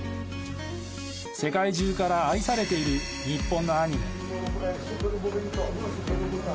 世界中から愛されている日本のアニメ。